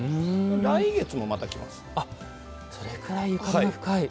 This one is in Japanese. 来月もまた来ます。